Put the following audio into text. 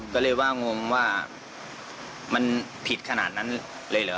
ก็เลยว่างงว่ามันผิดขนาดนั้นเลยเหรอ